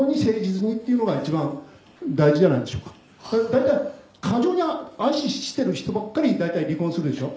「大体過剰に愛してる人ばっかり離婚するでしょ？」